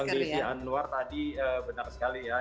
iya seperti yang bilang di isian luar tadi benar sekali ya